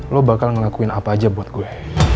lo bakal ngelakuin apa aja buat gue